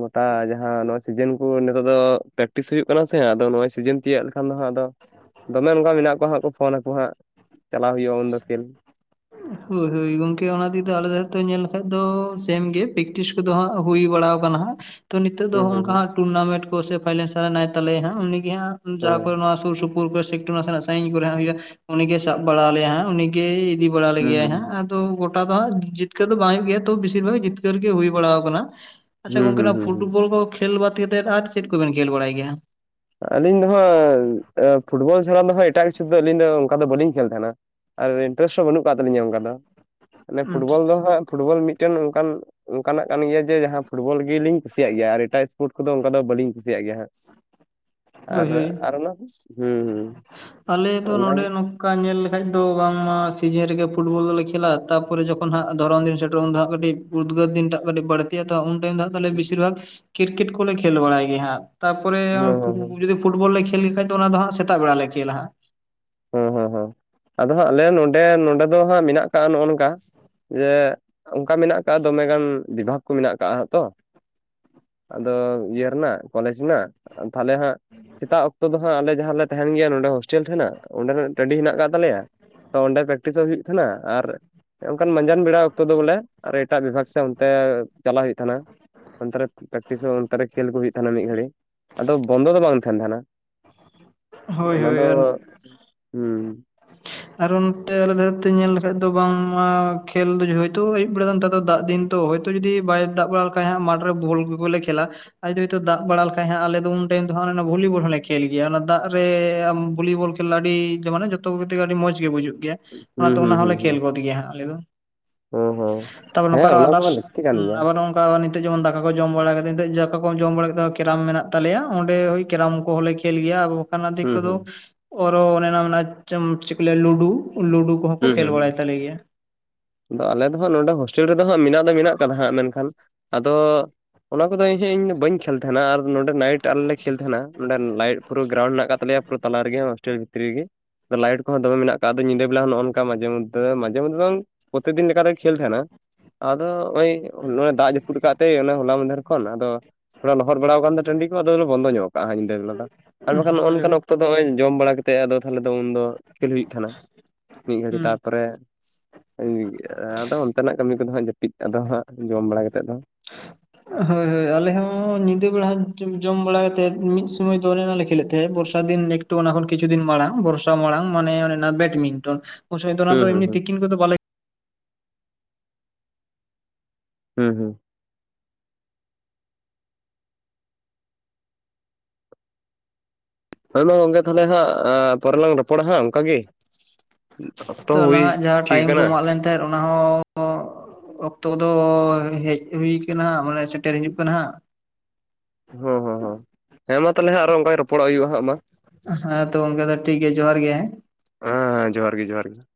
ᱜᱚᱴᱟ ᱡᱟᱦᱟᱸ ᱱᱚᱣᱟ ᱥᱤᱡᱮᱱ ᱠᱚ ᱱᱤᱛᱚᱜ ᱫᱚ ᱯᱮᱠᱴᱤᱥ ᱦᱩᱭᱩᱜ ᱠᱟᱱᱟ ᱥᱮ ᱟᱫᱚ ᱱᱚᱜ ᱚᱭ ᱥᱤᱡᱮᱱ ᱛᱤᱭᱟᱹᱫ ᱞᱮᱠᱷᱟᱱ ᱫᱚ ᱦᱟᱸᱜ ᱟᱫᱚ ᱫᱚᱢᱮ ᱚᱱᱠᱟ ᱢᱮᱱᱟᱜ ᱠᱚᱣᱟ ᱦᱟᱸᱜ ᱠᱚ ᱯᱷᱳᱱ ᱟᱠᱚ ᱦᱟᱸᱜ ᱪᱟᱞᱟᱣ ᱦᱩᱭᱩᱜᱼᱟ ᱩᱱᱫᱚ ᱠᱷᱮᱞ ᱦᱳᱭ ᱦᱳᱭ ᱜᱚᱢᱠᱮ ᱚᱱᱟ ᱛᱤᱜᱤ ᱛᱚ ᱟᱞᱮ ᱫᱷᱟᱨᱮ ᱫᱚ ᱧᱮᱞ ᱞᱮᱠᱟᱱ ᱫᱚ ᱥᱮᱢ ᱜᱮ ᱯᱮᱠᱴᱤᱥ ᱦᱟᱸᱜ ᱦᱩᱭ ᱵᱟᱲᱟᱣ ᱟᱠᱟᱱᱟ ᱦᱟᱸᱜ ᱛᱚ ᱱᱤᱛᱳ ᱫᱚ ᱦᱩᱸ ᱦᱩᱸ ᱦᱚᱜᱝᱠᱟ ᱦᱟᱸᱜ ᱴᱩᱨᱱᱟᱢᱮᱱᱴ ᱠᱚ ᱥᱮ ᱯᱷᱟᱭᱱᱮᱞ ᱱᱟᱭ ᱛᱟᱞᱮᱭᱟ ᱦᱟᱸᱜ ᱩᱱᱤ ᱜᱮ ᱦᱟᱸᱜ ᱦᱩᱸ ᱡᱟᱦᱟᱸ ᱠᱚ ᱱᱚᱣᱟ ᱥᱩᱨ ᱥᱩᱯᱩᱨ [inaudible] ᱱᱟᱥᱮᱱᱟᱜ ᱥᱟᱺᱤᱧ ᱠᱚᱨᱮ ᱦᱩᱭᱩᱜᱼᱟ ᱩᱱᱤ ᱜᱮ ᱥᱟᱵ ᱵᱟᱲᱟ ᱟᱞᱮᱭᱟ ᱦᱟᱸᱜ ᱩᱱᱤ ᱜᱮᱭ ᱤᱫᱤ ᱵᱟᱲᱟ ᱞᱮ ᱦᱩᱸ ᱦᱩᱸ ᱜᱮᱭᱟᱭ ᱦᱩᱸ ᱦᱟᱸᱜ ᱜᱚᱴᱟ ᱫᱚ ᱦᱟᱸᱜ ᱡᱤᱛᱠᱟᱹᱨ ᱫᱚ ᱵᱟᱭ ᱦᱩᱭᱩᱜ ᱜᱮᱭᱟ ᱛᱚ ᱵᱮᱥᱤᱨ ᱵᱷᱟᱜ ᱡᱤᱛᱠᱟᱹᱨᱜᱮ ᱦᱩᱭ ᱵᱟᱲᱟᱣ ᱟᱠᱟᱱᱟ᱾ ᱟᱪᱪᱷᱟ ᱦᱩᱸ ᱜᱚᱝᱠᱮ ᱦᱩᱸ ᱱᱚᱣᱟ ᱦᱩᱸ ᱯᱷᱩᱴᱵᱚᱞ ᱠᱚ ᱠᱷᱮᱞ ᱵᱟᱫ ᱠᱟᱛᱮᱫ ᱟᱨ ᱪᱮᱫ ᱠᱚᱵᱮᱱ ᱠᱷᱮᱞ ᱵᱟᱲᱟᱭ ᱜᱮᱭᱟ? ᱟᱹᱞᱤᱧ ᱫᱚᱦᱟᱸᱜ ᱯᱷᱩᱴᱵᱚᱞ ᱪᱷᱟᱲᱟ ᱫᱚᱦᱟᱸᱜ ᱮᱴᱟᱜ ᱠᱤᱪᱷᱩ ᱫᱚ ᱟᱹᱞᱤᱧ ᱫᱚ ᱚᱱᱠᱟ ᱫᱚ ᱵᱟᱹᱞᱤᱧ ᱠᱷᱮᱞ ᱛᱟᱦᱮᱱᱟ᱾ ᱟᱨ ᱤᱱᱴᱟᱨᱮᱥ ᱦᱚᱸ ᱵᱟᱹᱱᱩᱜ ᱠᱟᱜ ᱛᱟᱹᱞᱤᱧᱟ ᱚᱱᱠᱟ ᱫᱚ, ᱢᱟᱱᱮ ᱯᱷᱩᱴᱵᱚᱞ ᱦᱳᱭ ᱫᱚ ᱦᱟᱸᱜ ᱯᱷᱩᱴᱵᱚᱞ ᱢᱤᱫᱴᱮᱱ ᱚᱱᱠᱟᱱ ᱚᱱᱠᱟᱱᱟᱜ ᱠᱟᱱ ᱜᱮᱭᱟ ᱡᱮ ᱡᱟᱦᱟᱸ ᱯᱷᱩᱴᱵᱚᱞ ᱜᱮᱞᱤᱧ ᱠᱩᱥᱤᱭᱟᱜ ᱜᱮᱭᱟ ᱟᱨ ᱮᱴᱟᱨ ᱮᱥᱯᱳᱨᱴ ᱠᱚᱫᱚ ᱚᱱᱠᱟ ᱫᱚ ᱵᱟᱹᱞᱤᱧ ᱠᱩᱥᱤᱭᱟᱜ ᱜᱮᱭᱟ ᱦᱟᱸᱜ ᱦᱳᱭ ᱟᱨ ᱦᱳᱭ ᱟᱨ ᱚᱱᱟ ᱦᱩᱸ ᱦᱩᱸ ᱟᱞᱮ ᱫᱚ ᱱᱚᱰᱮ ᱚᱱᱟᱜᱮ ᱱᱼᱼ ᱚᱱᱠᱟ ᱧᱮᱞ ᱞᱮᱠᱷᱟᱡ ᱫᱚ ᱵᱟᱝᱢᱟ ᱥᱤᱡᱤᱱ ᱨᱮᱜᱮ ᱯᱷᱩᱴᱵᱚᱞ ᱫᱚᱞᱮ ᱠᱷᱮᱞᱟ ᱛᱟᱨᱯᱮ ᱡᱚᱠᱷᱚᱱ ᱦᱟᱸᱜ ᱫᱷᱚᱨᱚᱱ ᱫᱤᱱ ᱥᱮᱴᱮᱨᱚᱜ ᱩᱱ ᱫᱚ ᱦᱟᱸᱜ ᱠᱟᱹᱴᱤᱡ ᱩᱫᱽᱜᱟᱨ ᱫᱤᱱᱴᱟᱜ ᱠᱟᱹᱤᱡ ᱵᱟᱹᱲᱛᱤᱭᱟ ᱛᱚ ᱩᱱ ᱴᱟᱭᱤᱢ ᱫᱚ ᱛᱟᱦᱚᱞᱮ ᱵᱮᱥᱤᱨ ᱵᱷᱟᱜᱽ ᱠᱨᱤᱠᱮᱴ ᱠᱚᱞᱮ ᱠᱷᱮᱞ ᱵᱟᱲᱟᱭ ᱜᱮ ᱦᱟᱸᱜ ᱛᱟᱨᱯᱚᱨᱮ ᱦᱮᱸ ᱦᱮᱸ ᱯᱷᱩᱴᱵᱚᱞ ᱞᱮ ᱠᱷᱮᱞ ᱞᱮᱠᱷᱟᱱᱡ ᱫᱚ ᱚᱱᱟ ᱫᱚ ᱦᱟᱸᱜ ᱥᱮᱛᱟᱜ ᱵᱮᱲᱟ ᱞᱮ ᱠᱷᱮᱹᱞᱟᱜ ᱦᱟᱸᱜ᱾ ᱦᱮᱸ ᱦᱮᱸ ᱦᱮᱸ ᱟᱫᱚ ᱦᱟᱸᱜ ᱟᱞᱮ ᱱᱚᱰᱮ ᱱᱚᱰᱮ ᱫᱚ ᱦᱟᱸᱜ ᱢᱮᱱᱟᱜ ᱠᱟᱜ ᱱᱚᱜᱼᱚ ᱱᱚᱝᱠᱟ ᱡᱮ ᱚᱱᱠᱟ ᱢᱮᱱᱟᱜ ᱟᱠᱟᱟᱜ ᱟ ᱫᱚᱢᱮᱜᱟᱱ ᱵᱤᱵᱷᱟᱜᱽ ᱠᱚ ᱢᱮᱱᱟᱜ ᱟᱠᱟᱟᱜ ᱦᱟᱸᱜ ᱛᱚ ᱟᱫᱚ ᱤᱭᱟᱹ ᱨᱮᱱᱟᱜ ᱠᱚᱞᱮᱡᱽ ᱨᱮᱱᱟᱜ ᱛᱟᱦᱚᱞᱮ ᱦᱟᱸᱜ ᱥᱮᱛᱟᱜ ᱚᱠᱛᱚ ᱫᱚ ᱦᱟᱸᱜ ᱟᱞᱮ ᱡᱟᱦᱟᱸ ᱨᱮᱞᱮ ᱛᱟᱦᱮᱱ ᱜᱮᱭᱟ ᱱᱚᱰᱮ ᱦᱳᱥᱴᱮᱞ ᱴᱮᱱᱟᱜ ᱚᱱᱰᱮᱱᱟᱜ ᱴᱟᱺᱰᱤ ᱦᱮᱱᱟᱜ ᱟᱠᱟᱫ ᱛᱟᱞᱮᱭᱟ ᱛᱚ ᱚᱸᱰᱮ ᱯᱨᱮᱠᱴᱤᱥᱚᱜ ᱦᱩᱭᱩᱜ ᱛᱟᱦᱮᱱᱟ ᱟᱨ ᱚᱱᱠᱟᱱ ᱢᱟᱸᱡᱟᱱ ᱵᱮᱲᱟ ᱚᱠᱛᱚ ᱫᱚ ᱵᱚᱞᱮ ᱟᱨ ᱮᱴᱟᱜ ᱵᱤᱵᱷᱟᱜᱽ ᱥᱮ ᱚᱱᱛᱮ ᱪᱟᱞᱟᱜ ᱦᱩᱭᱩᱜ ᱛᱟᱦᱮᱱᱟ᱾ ᱚᱱᱛᱮ ᱨᱮ ᱯᱨᱮᱠᱴᱤᱥᱚᱜ ᱚᱱᱛᱮ ᱨᱮ ᱠᱷᱮᱞ ᱠᱚ ᱦᱩᱭᱩᱜ ᱛᱟᱦᱮᱱᱟ ᱢᱤᱫ ᱜᱷᱟᱹᱲᱤᱡ ᱟᱫᱚ ᱵᱚᱱᱫᱚ ᱫᱚ ᱵᱟᱝ ᱛᱟᱦᱮᱱ ᱛᱟᱦᱮᱸᱱᱟ᱾ ᱦᱳᱭ ᱚᱱᱟ ᱦᱳᱭ ᱫᱚ ᱦᱩᱸ ᱟᱨᱚ ᱱᱚᱛᱮ ᱟᱞᱮ ᱫᱷᱟᱨᱮᱛᱮ ᱧᱮᱞ ᱞᱮᱠᱷᱟᱱᱡ ᱫᱚ ᱵᱟᱝᱢᱟ ᱠᱷᱮᱞ ᱫᱚ ᱦᱚᱭᱛᱳ ᱟᱹᱭᱩᱵ ᱵᱮᱲᱟ ᱫᱚ ᱱᱮᱛᱟᱨ ᱫᱚ ᱫᱟᱜ ᱫᱤᱱ᱾ ᱛᱚ ᱦᱳᱭᱛᱚ ᱡᱩᱫᱤ ᱵᱟᱭ ᱫᱟᱜ ᱵᱟᱲᱟ ᱞᱮᱠᱷᱟᱱ ᱦᱟᱸᱜ ᱢᱟᱴᱷᱨᱮ ᱵᱳᱞ ᱠᱚᱜᱮᱞᱮ ᱠᱷᱮᱞᱟ᱾ ᱟ [unintelligible] ᱦᱚᱭᱛᱳ ᱫᱟᱜ ᱵᱟᱲᱟ ᱞᱮᱠᱟᱱ ᱦᱟᱸᱜ ᱟᱞᱮ ᱫᱚ ᱩᱱ ᱴᱟᱭᱤᱢ ᱫᱚ ᱦᱟᱸᱜ ᱚᱱᱮ ᱚᱱᱟ ᱵᱷᱚᱞᱤᱵᱚᱞ ᱦᱚᱸᱞᱮ ᱠᱷᱮᱞ ᱜᱮᱭᱟ ᱚᱱᱟ ᱫᱟᱜ ᱨᱮ ᱟᱢ ᱵᱷᱚᱞᱤᱵᱚᱞ᱾ ᱠᱷᱮᱞ ᱟᱹᱰᱤ ᱢᱟᱱᱮ ᱡᱚᱛᱚ ᱠᱚᱜᱮ ᱛᱮᱜᱮ ᱟᱹᱰᱤ ᱢᱚᱸᱡᱽ ᱜᱮ ᱵᱩᱡᱩᱜ ᱜᱮᱭᱟ ᱦᱩᱸ ᱚᱱᱟᱛᱮ ᱦᱩᱸ ᱚᱱᱟ ᱦᱩᱸ ᱦᱚᱸᱞᱮ ᱦᱩᱸ ᱠᱷᱮᱞ ᱜᱚᱫ ᱜᱮᱭᱟ ᱦᱟᱸᱜ ᱟᱞᱮ ᱫᱚ᱾ ᱦᱩᱸ ᱦᱩᱸ ᱛᱯᱚᱨ [unintelligible] ᱱᱚᱠᱚ ᱦᱮᱸ ᱚᱱᱟ ᱟᱫᱟᱨᱥ ᱠᱚᱦᱚᱸ ᱞᱟᱹᱠᱛᱤ ᱠᱟᱱ ᱜᱮᱭᱟ ᱟᱵ᱾ ᱠᱟ ᱱᱤᱛᱚᱜ ᱡᱮᱢᱚᱱ ᱫᱟᱠᱟ ᱠᱚ ᱡᱚᱢ ᱵᱟᱲᱟ ᱠᱟᱛᱮᱫ ᱱᱤᱛᱚᱜ ᱫᱟᱠᱟ ᱠᱚ ᱡᱚᱢ ᱵᱟᱲᱟ ᱠᱟᱛᱮᱫ ᱠᱮᱨᱟᱢ ᱢᱮᱱᱟᱜ ᱛᱟᱞᱮᱭᱟ ᱚᱸᱰᱮ ᱳᱭ ᱠᱮᱨᱟᱢ ᱠᱚᱦᱚᱸ ᱞᱮ ᱠᱷᱮᱞ ᱜᱮᱭᱟ ᱦᱩᱸ ᱫᱤᱠᱩᱫᱚᱚ ᱦᱩᱸ ᱚᱱᱮ [unintelligible] ᱪ ᱞᱟᱹᱭᱟ ᱞᱩᱰᱩ ᱞᱩᱰᱩ᱾ ᱦᱚᱠᱚ ᱦᱩᱸ ᱠᱷᱮᱞ ᱦᱩᱸ ᱵᱟᱲᱟᱭ ᱛᱟᱞᱮ ᱜᱮᱭᱟ᱾ ᱟᱫᱚ ᱟᱞᱮ ᱫᱚ ᱦᱟᱸᱜ ᱱᱚᱰᱮ ᱦᱳᱥᱴᱮᱞ ᱨᱮᱫᱚ ᱦᱟᱸᱜ ᱢᱮᱱᱟᱜ ᱫᱚ ᱢᱮᱱᱟᱜ ᱠᱟᱫᱟ ᱦᱟᱸᱜ ᱢᱮᱱᱠᱷᱟᱱ ᱟᱫᱚ᱾ ᱚᱱᱟ ᱠᱚᱫᱚ ᱤᱧᱦᱚ ᱤᱧ ᱵᱟᱹᱧ ᱠᱷᱮᱞ ᱛᱟᱦᱮᱱᱟ ᱟᱨ᱾ ᱱᱚᱰᱮ ᱱᱟᱭᱤᱴ ᱟᱞᱮ ᱞᱮ ᱠᱷᱮᱞ ᱛᱟᱦᱮᱱᱟ ᱱᱚᱸᱰᱮ ᱞᱟᱭᱤᱴ ᱯᱩᱨᱟᱹ ᱜᱨᱟᱩᱱᱰ ᱦᱮᱱᱟᱜ ᱟᱠᱟᱫ ᱛᱟᱞᱮᱭᱟ᱾ ᱛᱟᱞᱟ ᱨᱮᱜᱮ ᱦᱳᱥᱴᱮᱞ ᱵᱷᱤᱛᱨᱤ ᱨᱮᱜᱮ ᱟᱫᱚ ᱞᱟᱭᱤᱴ ᱠᱚᱦᱚᱸ ᱫᱚᱢᱮ ᱢᱮᱱᱟᱜ ᱠᱟᱜ-ᱟ ᱟᱫᱚ ᱧᱤᱫᱟᱹ ᱦᱚᱞᱟ ᱦᱤᱞᱚᱜ ᱚᱝᱠᱟ ᱢᱟᱡᱷᱮᱢᱚᱫᱽᱫᱷᱮ ᱢᱟᱡᱷᱮᱢᱚᱫᱽᱫᱷᱮ ᱫᱚ ᱵᱟᱝ ᱯᱨᱚᱛᱤ ᱫᱤᱱ ᱞᱮᱠᱟᱛᱮ ᱜᱮ ᱠᱷᱮᱞ ᱛᱟᱦᱮᱱᱟ ᱟᱫᱚ ᱱᱚᱜ-ᱚᱭ ᱱᱚᱣᱟ ᱫᱟᱜ ᱡᱟᱹᱯᱩᱫ ᱟᱠᱟᱫ ᱛᱮ ᱚᱱᱮ ᱦᱚᱞᱟ ᱢᱟᱱᱫᱷᱮᱨ ᱠᱷᱚᱱ ᱟᱫᱚ᱾ ᱛᱷᱚᱲᱟ ᱞᱚᱦᱚᱫ ᱵᱟᱲᱟᱣ ᱟᱠᱟᱱ ᱛᱮ ᱴᱟᱺᱰᱤ ᱠᱚ ᱟᱫᱚᱞᱮ ᱵᱚᱱᱫᱚ ᱧᱚᱜ ᱟ ᱠᱟᱜᱼᱟ ᱦᱟᱸᱜ᱾ ᱟᱨᱵᱟᱠᱷᱟᱱ ᱱᱚᱜ ᱦᱳᱭ ᱱᱚᱝᱟᱱ ᱦᱩᱸ ᱚᱠᱛᱚ ᱫᱚ ᱱᱚᱜᱚᱭ ᱡᱚᱢ ᱵᱟᱲᱟ ᱠᱟᱛᱮ ᱟᱫᱚ ᱛᱟᱦᱚᱞᱮ ᱫᱚ ᱩᱱ ᱫᱚ ᱠᱷᱮᱞ ᱦᱩᱭᱩᱜ ᱛᱟᱦᱮᱸᱫ᱾ ᱢᱤᱫ ᱜᱷᱟᱹᱲᱤ ᱛᱟᱨᱯᱚᱨᱮ᱾ [unintelligible] ᱟᱫᱚ ᱚᱱᱛᱮᱱᱟᱜ ᱠᱟᱹᱢᱤ ᱠᱚᱫᱚ ᱦᱟᱸᱜ ᱡᱟᱹᱯᱤᱫ ᱟᱫᱚ ᱦᱟᱸᱜ ᱡᱚᱢ ᱵᱟᱲᱟ ᱠᱟᱛᱮᱫ ᱫᱚ ᱦᱳᱭ ᱦᱳᱭ ᱟᱞᱮ ᱦᱚᱸ ᱧᱤᱫᱟᱹ ᱵᱮᱲᱟ ᱡᱚᱢ ᱵᱟᱲᱟ ᱠᱟᱛᱮᱫ ᱢᱤᱫ ᱥᱩᱢᱟᱹᱭ ᱫᱚ ᱚᱱᱮ ᱚᱱᱟ ᱞᱮ ᱠᱷᱮᱞᱮᱫ ᱛᱟᱦᱮᱸᱫ ᱵᱚᱨᱥᱟ ᱫᱤᱱ ᱚᱱᱟ ᱠᱷᱚᱱ ᱠᱤᱪᱷᱩ ᱫᱤᱱ ᱢᱟᱲᱟᱝ ᱵᱚᱨᱥᱟ ᱢᱟᱲᱟᱝ ᱢᱟᱱᱮ ᱚᱱᱮ ᱚᱱᱟ ᱵᱮᱴᱢᱤᱱᱴᱚᱱ ᱩᱱ ᱥᱩᱢᱟᱹᱭ ᱫᱚ ᱚᱱᱟ ᱦᱩᱸ ᱫᱚ ᱦᱩᱸ ᱦᱩᱸ ᱛᱤᱠᱤᱱ ᱠᱚᱫᱚ ᱵᱟᱞᱮ ᱦᱩᱸ ᱦᱩᱸ ᱦᱮᱸ ᱢᱟ ᱜᱚᱝᱠᱮ ᱛᱟᱦᱚᱞᱮ ᱦᱟᱸᱜ ᱯᱚᱨᱮ ᱞᱟᱝ ᱨᱚᱯᱚᱲᱟ ᱦᱟᱸᱜ ᱚᱱᱠᱟ ᱜᱮ᱾ ᱚᱠᱛᱚ ᱛᱳ ᱦᱚᱸ ᱦᱩᱭ ᱟᱞᱟᱝᱟᱜ ᱡᱟᱦᱟᱸ ᱴᱷᱤᱠ ᱴᱟᱭᱤᱢ ᱠᱚ ᱟᱠᱟᱱᱟ ᱮᱢᱟᱜ ᱞᱮᱱ ᱛᱟᱦᱮᱸᱫ ᱚᱱᱟᱦᱚᱸᱻ ᱚᱠᱛᱚ ᱠᱚᱫᱚ ᱦᱮᱡ ᱦᱩᱭ ᱠᱟᱱᱟ ᱦᱟᱸᱜ ᱢᱟᱱᱮ ᱥᱮᱴᱮᱨ ᱦᱤᱡᱩᱜ ᱠᱟᱱᱟ ᱦᱟᱸᱜ᱾ ᱦᱩᱸ ᱦᱩᱸ ᱦᱩᱸ ᱦᱮᱸ ᱢᱟ ᱛᱟᱦᱞᱮ ᱦᱟᱸᱜ ᱟᱨᱦᱚ ᱚᱱᱠᱟ ᱜᱮ ᱨᱚᱯᱚᱲᱚᱜ ᱦᱩᱭᱩᱜᱼᱟ ᱦᱟᱸᱜ ᱢᱟ ᱦᱮᱸ ᱛᱚ ᱜᱚᱝᱠᱮ ᱫᱚ ᱴᱷᱤᱠ ᱜᱮᱭᱟ ᱡᱚᱦᱟᱨ ᱜᱮ ᱦᱮᱸ ᱦᱮᱸ ᱡᱚᱦᱟᱨᱜᱮ ᱡᱚᱦᱟᱨᱜᱮ